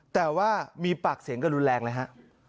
แต่ว่ามีปากเสียงกระดูกแรงเลยค่ะ